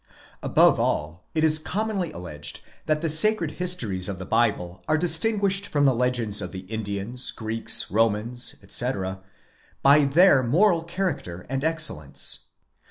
Above all, it is commonly alleged that the sacred histories of the Bible are distinguished from the legends of the Indians,. Greeks, Romans, etc., by their moral character and excellence.